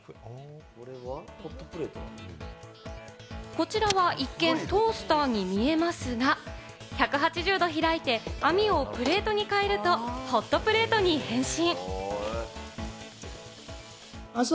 こちらは一見、トースターに見えますが、１８０度開いて、網をプレートにかえるとホットプレートに変身。